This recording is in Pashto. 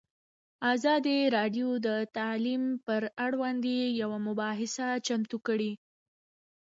ازادي راډیو د تعلیم پر وړاندې یوه مباحثه چمتو کړې.